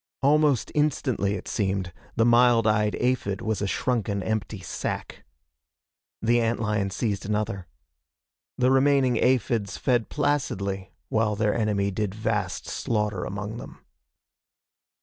Almost instantly, it seemed, the mild eyed aphid was a shrunken empty sack. The ant lion seized another. The remaining aphids fed placidly while their enemy did vast slaughter among them.